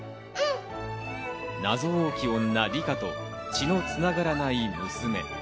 謎多き女・梨花、血の繋がらない娘。